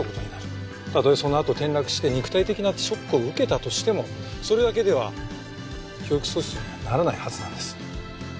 たとえそのあと転落して肉体的なショックを受けたとしてもそれだけでは記憶喪失にはならないはずなんです。